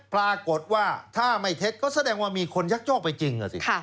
ปรากฏว่าถ้าไม่เท็จก็แสดงว่ามีคนยักยอกไปจริง